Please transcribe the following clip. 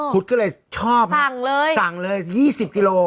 คุณก็เลยชอบสั่งเลยสั่งเลย๒๐กิโล